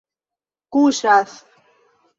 kuŝas